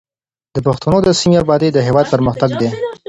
د پښتنو د سیمو ابادي د هېواد پرمختګ دی.